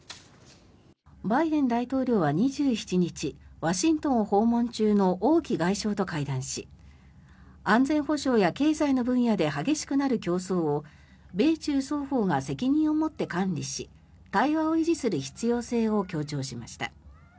バイデン大統領は２７日ワシントンを訪問中の王毅外相と会談し安全保障や経済の分野で激しくなる競争を米中双方が責任を持って管理し対話を維持する必要性を強調しました。